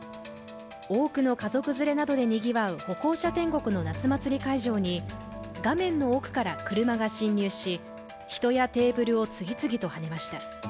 多くの家族連れなどでにぎわう歩行者天国の夏祭りの会場に画面の奥から車が進入し、人やテーブルを次々とはねました。